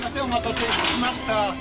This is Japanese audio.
お待たせ致しました。